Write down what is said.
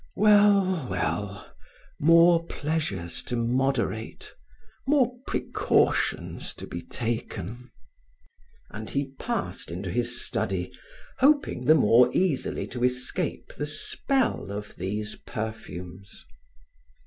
"Well, well, more pleasures to moderate, more precautions to be taken." And he passed into his study, hoping the more easily to escape the spell of these perfumes.